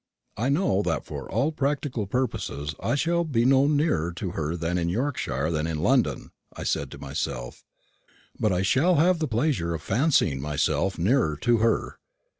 "I know that for all practical purposes I shall be no nearer to her in Yorkshire than in London," I said to myself; "but I shall have the pleasure of fancying myself nearer to her."